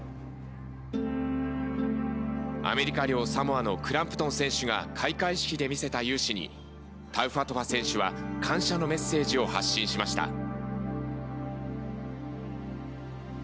アメリカ領サモアのクランプトン選手が開会式で見せた雄姿にタウファトファ選手は感謝のメッセージを発信しました。